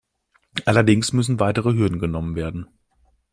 Allerdings müssen weitere Hürden genommen werden.